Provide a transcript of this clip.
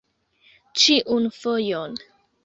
Ĉiun fojon!